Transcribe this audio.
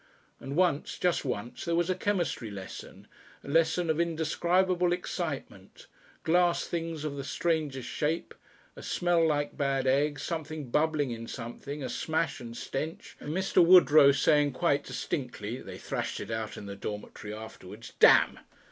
And once, just once, there was a chemistry lesson a lesson of indescribable excitement glass things of the strangest shape, a smell like bad eggs, something bubbling in something, a smash and stench, and Mr. Woodrow saying quite distinctly they thrashed it out in the dormitory afterwards "Damn!"